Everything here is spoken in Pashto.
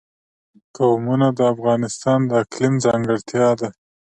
قومونه د افغانستان د اقلیم ځانګړتیا ده.